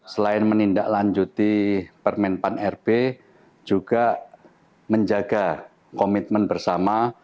selain menindaklanjuti permen pan rb juga menjaga komitmen bersama